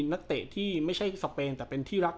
นักเตะที่ไม่ใช่สเปนแต่เป็นที่รัก